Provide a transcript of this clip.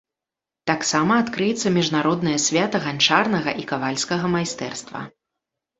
Таксама адкрыецца міжнароднае свята ганчарнага і кавальскага майстэрства.